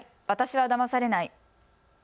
私はだまされない。